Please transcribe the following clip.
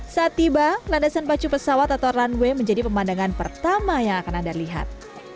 saat tiba landasan pacu pesawat atau runway menjadi pemandangan pertama yang akan anda lihat